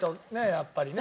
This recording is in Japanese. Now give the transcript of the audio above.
やっぱりね。